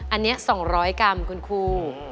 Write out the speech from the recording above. อันนี้๒๐๐กรัมคุณครู